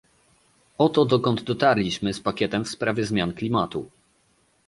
Oto dokąd dotarliśmy z pakietem w sprawie zmian klimatu